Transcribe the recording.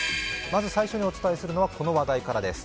まず最初にお伝えするのはこの話題からです。